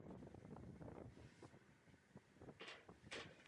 Zaslouží si proto zvláštní podporu a pozornost Evropské unie.